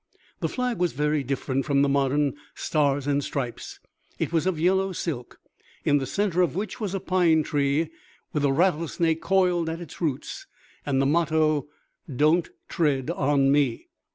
The flag was very different from the modern stars and stripes; it was of yellow silk, in the center of which was a pine tree with a rattlesnake coiled at its roots, and the motto: "don't tread on me."